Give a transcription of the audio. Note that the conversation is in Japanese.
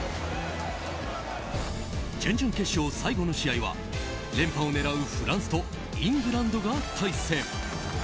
準々決勝最後の試合は連覇を狙うフランスとイングランドが対戦。